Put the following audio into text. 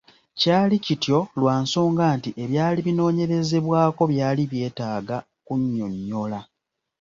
Kyali kityo lwa nsonga nti ebyali binoonyerezebwako byali byetaaga kunnyonnyola.